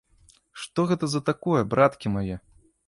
Што гэта за такое, браткі мае?